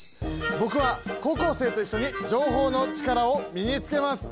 僕は高校生と一緒に情報のチカラを身につけます。